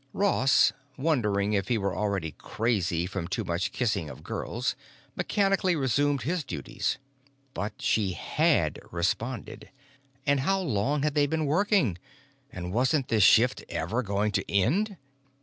Ross, wondering if he were already crazy from too much kissing of girls, mechanically resumed his duties. But she had responded. And how long had they been working? And wasn't this shift ever going to end?